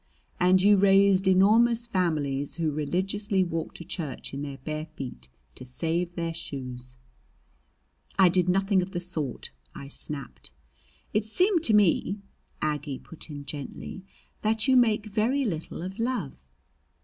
"And you raised enormous families who religiously walked to church in their bare feet to save their shoes!" "I did nothing of the sort," I snapped. "It seems to me," Aggie put in gently, "that you make very little of love."